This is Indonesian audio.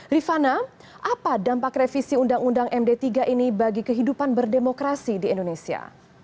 rifana apa dampak revisi undang undang md tiga ini bagi kehidupan berdemokrasi di indonesia